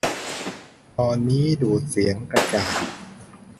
ตอนนี้ ดูดเสียงกระจาย